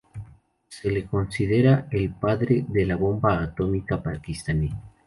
Se le considera el padre de la bomba atómica pakistaní.